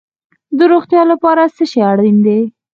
د روغتیا لپاره څه شی اړین دي؟